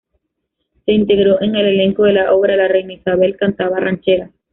Se integró en el elenco de la obra "La reina Isabel cantaba rancheras".